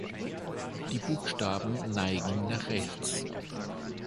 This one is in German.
Die Buchstaben neigen nach rechts.